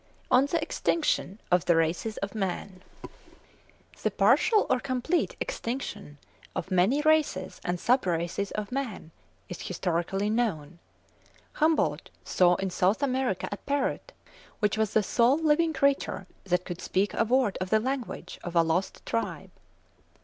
ON THE EXTINCTION OF THE RACES OF MAN. The partial or complete extinction of many races and sub races of man is historically known. Humboldt saw in South America a parrot which was the sole living creature that could speak a word of the language of a lost tribe.